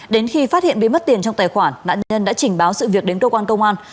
đến khi phát hiện bị mất tiền trong tài khoản nạn nhân đã trình báo sự việc đến cơ quan công an